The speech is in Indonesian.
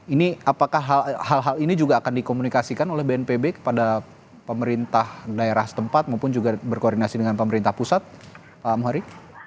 ini apakah hal hal ini juga akan dikomunikasikan oleh bnpb kepada pemerintah daerah setempat maupun juga berkoordinasi dengan pemerintah pusat pak muhari